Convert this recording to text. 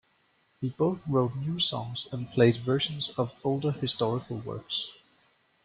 He both wrote new songs and played versions of older historical works.